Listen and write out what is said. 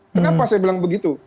kenapa saya bilang begitu